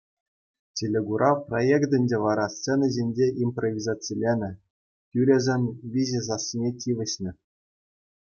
Телекурав проектӗнче вара сцена ҫинче импровизациленӗ, тӳресен виҫӗ сассине тивӗҫнӗ.